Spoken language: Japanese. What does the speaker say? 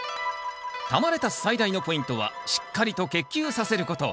玉レタス最大のポイントはしっかりと結球させること。